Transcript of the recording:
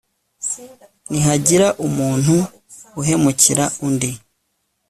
nihagira umuntu uhemukira undi